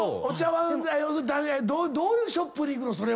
お茶わんどういうショップに行くの？